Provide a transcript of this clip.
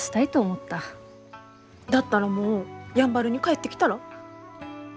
だったらもうやんばるに帰ってきたら？